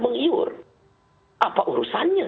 mengiur apa urusannya